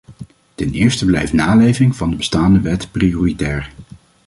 Ten eerste blijft naleving van de bestaande wet prioritair.